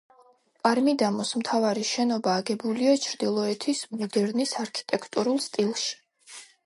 კარ-მიდამოს მთავარი შენობა აგებულია ჩრდილოეთის მოდერნის არქიტექტურულ სტილში.